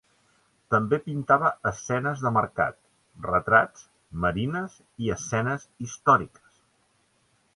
També pintava escenes de mercat, retrats, marines i escenes històriques.